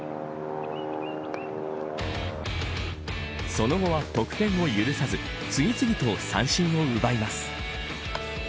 その後は得点を許さず次々と三振を奪います。